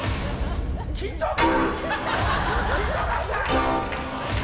緊張感。